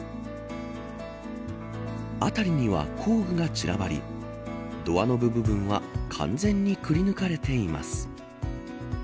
辺りには工具が散らばりドアノブ部分は完全にくり抜かれています。